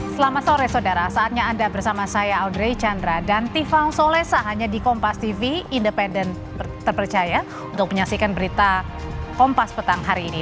selamat sore saudara saatnya anda bersama saya audrey chandra dan tiffan solesa hanya di kompas tv independen terpercaya untuk menyaksikan berita kompas petang hari ini